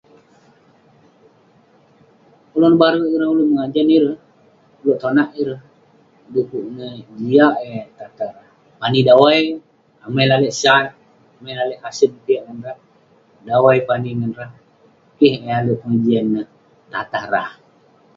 Ulouk nebare ireh, ulouk mengajan ireh, ulouk tonak ireh. Dekuk neh jiak eh tatah rah. Pani dawai, amai lalek sat, amai lalek kasen piak ngan rah, dawai pani ngan rah. Keh yah ale pengejian neh tatah rah.